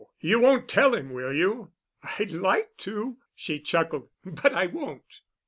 You won't tell him, will you?" "I'd like to," she chuckled. "But I won't."